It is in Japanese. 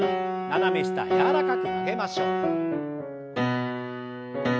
斜め下柔らかく曲げましょう。